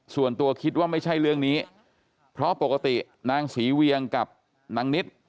ส่วนตัวคิดว่าไม่ใช่เรื่องนี้เพราะปกตินางศรีเวียงกับนางนิด